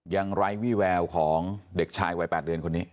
ไร้วี่แววของเด็กชายวัย๘เดือนคนนี้